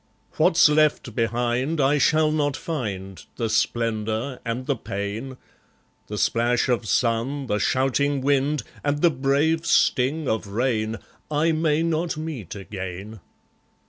What's left behind I shall not find, The splendour and the pain; The splash of sun, the shouting wind, And the brave sting of rain, I may not meet again.